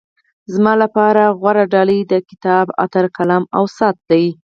زما لپاره غوره ډالۍ د کتاب، عطر، قلم او ساعت ده.